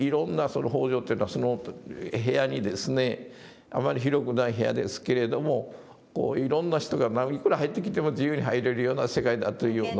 方丈というのはその部屋にあまり広くない部屋ですけれどもいろんな人がいくら入ってきても自由に入れるような世界だというような。